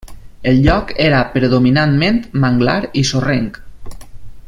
El lloc era predominantment manglar i sorrenc.